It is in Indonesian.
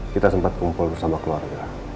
kita sempat kumpul bersama keluarga